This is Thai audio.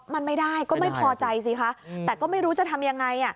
มันไม่ได้ก็ไม่พอใจสิคะแต่ก็ไม่รู้จะทำยังไง